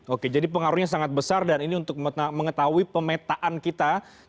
oke jadi pengaruhnya sangat besar dan ini untuk mengetahui pemetaan kita